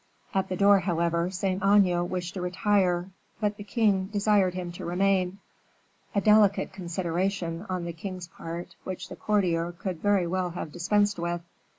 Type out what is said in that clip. At the door, however, Saint Aignan wished to retire, but the king desired him to remain; a delicate consideration, on the king's part, which the courtier could very well have dispensed with.